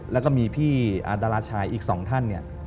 แล้วก็มีพี่อาดาราชายอีก๒ท่าน